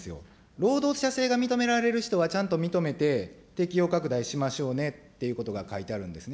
労働者性が認められる人はちゃんと認めて、適用拡大しましょうねっていうことが書いてあるんですね。